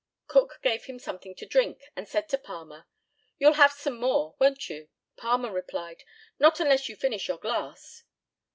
Cook gave him something to drink, and said to Palmer, "You'll have some more, won't you?" Palmer replied, "Not unless you finish your glass."